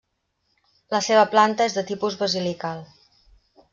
La seva planta és de tipus basilical.